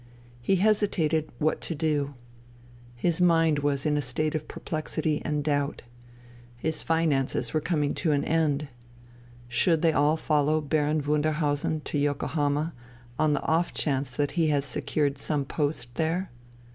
He hesitated what to do. His mind was in a state of perplexity and doubt. His finances were coming to an end. Should they all follow Baron Wunderhausen to Yokohama on the off chance that he has secured some post there